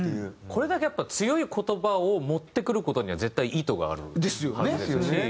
これだけやっぱ強い言葉を持ってくる事には絶対意図があるはずですし。ですよね。